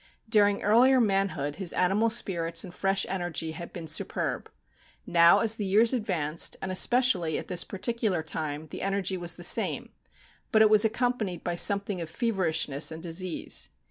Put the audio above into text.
During earlier manhood his animal spirits and fresh energy had been superb. Now, as the years advanced, and especially at this particular time, the energy was the same; but it was accompanied by something of feverishness and disease.